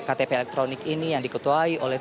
ktp elektronik ini yang diketuai oleh